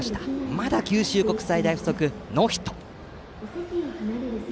まだ九州国際大付属ノーヒット。